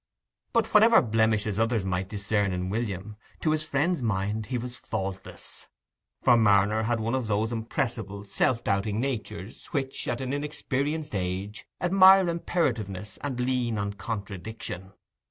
But whatever blemishes others might discern in William, to his friend's mind he was faultless; for Marner had one of those impressible self doubting natures which, at an inexperienced age, admire imperativeness and lean on contradiction.